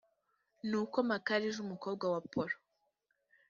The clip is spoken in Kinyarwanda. nuko mikali j umukobwa wa poro